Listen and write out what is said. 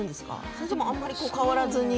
それともあまり変わらずに？